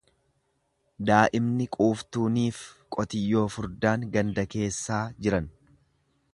Daa'imni quuftuuniif qotiyyoo furdaan ganda hiyyeessaa jiran.